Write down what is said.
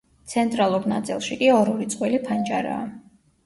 ცენტრალურ ნაწილში კი ორ-ორი წყვილი ფანჯარაა.